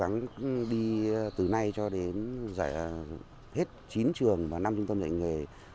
chúng tôi sẽ cố gắng đi từ nay cho đến hết chín trường và năm trung tâm dạy nghề